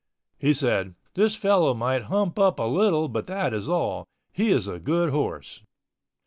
He said, "This fellow might hump up a little but that is all. He is a good horse."